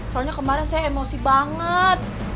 soalnya kemarin saya emosi banget